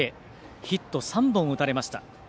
ヒット３本打たれました。